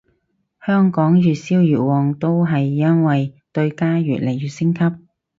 香港越燒越旺都係因為對家越嚟越升級